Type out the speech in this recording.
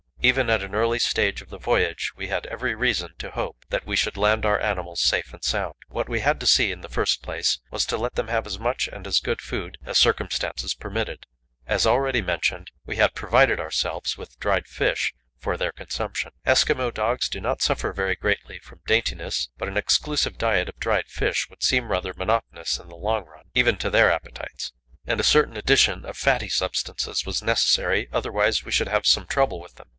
Even at an early stage of the voyage we had every reason to hope that we should land our animals safe and sound. What we had to see to in the first place was to let them have as much and as good food as circumstances permitted. As already mentioned, we had provided ourselves with dried fish for their consumption. Eskimo dogs do not suffer very greatly from daintiness, but an exclusive diet of dried fish would seem rather monotonous in the long run, even to their appetites, and a certain addition of fatty substances was necessary, otherwise we should have some trouble with them.